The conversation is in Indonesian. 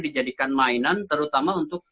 dijadikan mainan terutama untuk